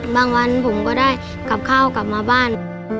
วันผมก็ได้กลับข้าวกลับมาบ้าน